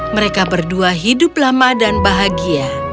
mereka berdua hidup lama dan bahagia